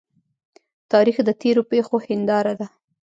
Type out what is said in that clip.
تاریخ د تیرو پیښو هنداره ده.